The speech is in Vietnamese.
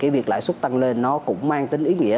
việc lãi suất tăng lên nó cũng mang tính ý nghĩa